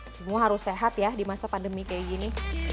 semua harus sehat ya di masa pandemi kayak gini